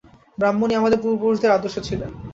ব্রাহ্মণই আমাদের পূর্বপুরুষগণের আদর্শ ছিলেন।